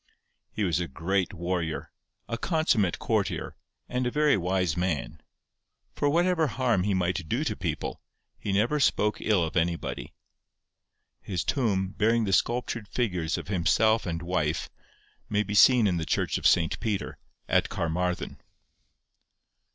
He was a great warrior, a consummate courtier, and a very wise man; for whatever harm he might do to people, he never spoke ill of anybody. His tomb, bearing the sculptured figures of himself and wife, may be seen in the church of St. Peter, at Carmarthen.